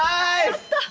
やった！